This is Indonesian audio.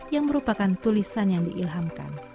yang merupakan tulisan yang diilhamkan